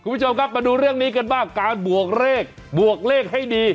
คุณผู้ชมครับมาดูเรื่องนี้กันบ้างการบวกเลขบวกเลขให้ดี